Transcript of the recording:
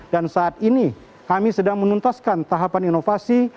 dan saat ini kami sedang menuntaskan tahapan inovasi